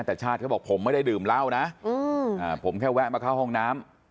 แต่ชาติเขาบอกผมไม่ได้ดื่มเหล้านะผมแค่แวะมาเข้าห้องน้ำ